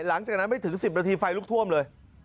หลังจากนั้นไม่ถึง๑๐นาทีไฟลุกท่วมเลย